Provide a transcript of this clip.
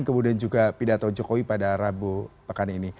kemudian juga pidato jokowi pada rabu pekan ini